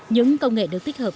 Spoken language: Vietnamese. những công nghệ được tích hợp